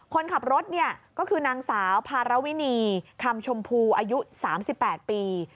คนขับรถเนี่ยก็คือนางสาวภารวินีคำชมพูอายุ๓๘ปี